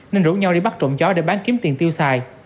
nên rủ nhau đi bắt trộm chó để bán kiếm tiền tiêu xài